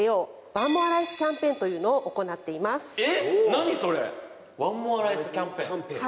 何それワン・モア・ライスキャンペーン？